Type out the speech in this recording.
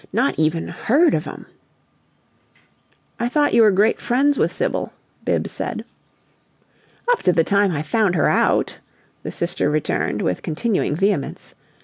Not even HEARD of 'em!" "I thought you were great friends with Sibyl," Bibbs said. "Up to the time I found her out!" the sister returned, with continuing vehemence.